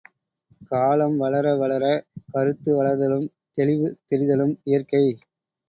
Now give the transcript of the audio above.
காலம் வளர வளரக் கருத்து வளர்தலும், தெளிவு தெரிதலும் இயற்கை.